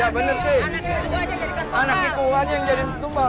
anak kikwu saja yang buat tumbal